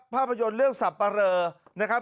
ภาพยนตร์เรื่องสับปะเรอนะครับ